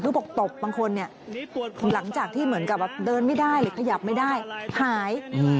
เขาบอกตบบางคนเนี่ยหลังจากที่เหมือนกับแบบเดินไม่ได้หรือขยับไม่ได้หาย